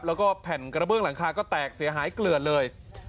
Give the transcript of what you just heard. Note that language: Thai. แล้วก็แผ่นกระเบื้องหลังคาก็แตกเสียหายเกลือดเลย